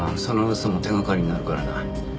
その嘘も手掛かりになるからな。